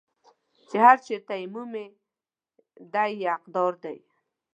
چې هر چېرته یې مومي دی یې حقدار دی.